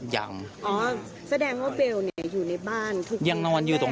อ๋อแสดงว่าเบลอยู่ในบ้านทุกวันแรก